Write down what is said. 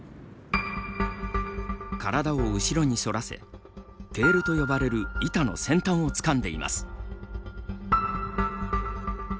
体を後ろに反らせテールと呼ばれる板の先端をつかんでいます。